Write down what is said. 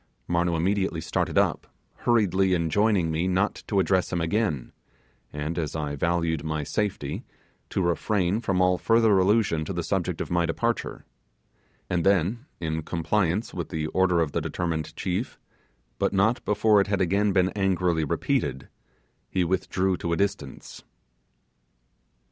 Marnoo immediately started up, hurriedly enjoining me not to address him again, and as I valued my safety, to refrain from all further allusion to the subject of my departure; and then, in compliance with the order of the determined chief, but not before it had again been angrily repeated, he withdrew to a distance.